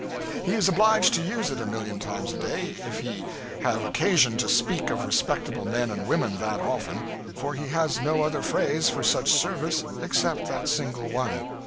He is obliged to use it a million times a day, if he have occasion to speak of respectable men and women that often; for he has no other phrase for such service except that single one.